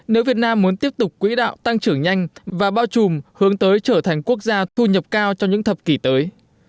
nếu việt nam muốn tiếp tục quỹ đạo tăng trưởng nhanh và bao trùm hướng tới trở thành quốc gia thu nhập cao trong những thập kỷ tới